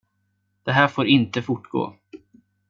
Det här får inte fortgå.